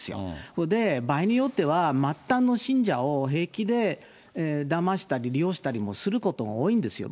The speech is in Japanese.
それで場合によっては、末端の信者を平気でだましたり、利用したりもすることが多いんですよ。